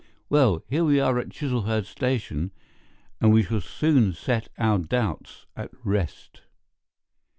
Well, here we are at Chiselhurst Station, and we shall soon set our doubts at rest."